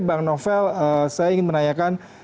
bang novel saya ingin menanyakan